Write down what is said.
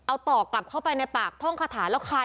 เป็นพระรูปนี้เหมือนเคี้ยวเหมือนกำลังทำปากขมิบท่องกระถาอะไรสักอย่าง